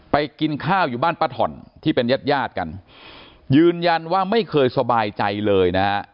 กินข้าวอยู่บ้านป้าถ่อนที่เป็นญาติญาติกันยืนยันว่าไม่เคยสบายใจเลยนะฮะ